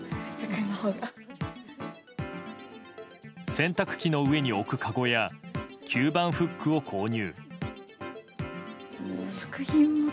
洗濯機の上に置くかごや吸盤フックを購入。